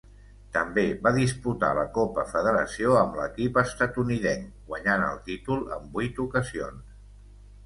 També va disputar la Copa Federació amb l'equip estatunidenc guanyant el títol en vuit ocasions.